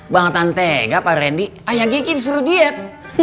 bang tan tega pak randy ayang kiki disuruh diet